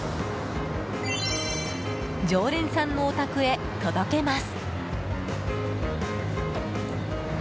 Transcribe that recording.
常連さんのお宅へ届けます。